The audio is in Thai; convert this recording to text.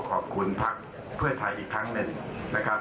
คอบคุณภักษ์เพื่อไทยอีกครั้งหนึ่งนะครับ